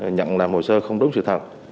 nhận làm hồ sơ không đúng sự thật